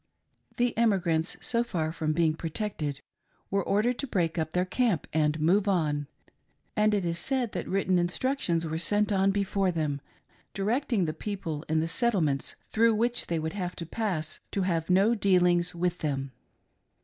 The emigrants, so far from beipg protected, were ordered to break Up their camp and move on ; and it is said that written instructions were sent on before them, directing the people in the settle ments through which they would have to pass to have no dealings with them.